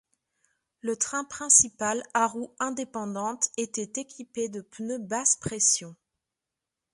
Le train principal à roues indépendantes était équipé de pneus basse pression.